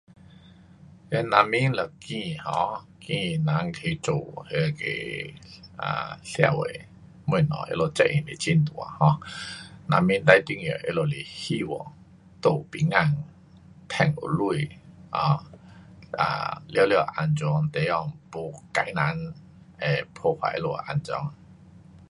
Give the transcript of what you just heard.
那人民若选 um 选人去做那个 um 社会东西，他们责任是很大 um，人民最重要他们是希望住平安，赚有钱，um um 全部安全地方，是没坏人会破坏他们的安全。